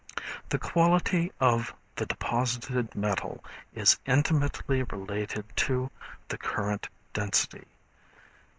The quality of the deposited metal is intimately related to the current density.